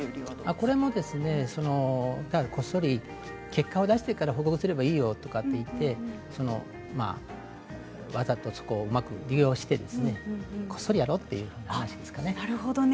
これもこっそり結果を出してから報告すればいいよと言ってそこをうまく利用してこっそりやろうという話ですかね。